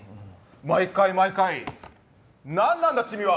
毎回毎回、何なんだチミは！